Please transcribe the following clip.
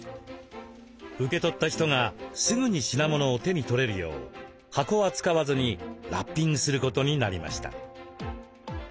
受け取った人がすぐに品物を手に取れるよう箱は使わずにラッピングすることになりました。